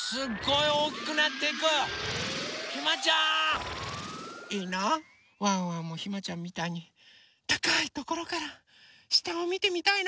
いいなワンワンもひまちゃんみたいにたかいところからしたをみてみたいな。